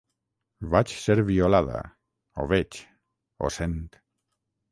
Vaig ser violada, ho veig, ho sent.